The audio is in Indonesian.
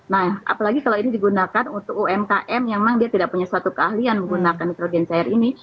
nah apalagi kalau ini digunakan untuk umkm yang memang dia tidak punya suatu keahlian menggunakan nitrogen cair ini